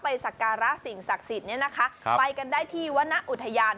สักการะสิ่งศักดิ์สิทธิ์เนี่ยนะคะไปกันได้ที่วรรณอุทยาน